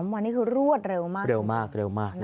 ๓วันนี้คือรวดเร็วมาก